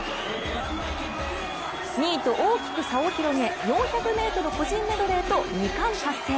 ２位と大きく差を広げ、４００ｍ個人メドレーと２冠達成。